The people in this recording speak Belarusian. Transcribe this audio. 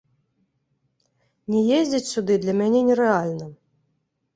Не ездзіць сюды для мяне нерэальна.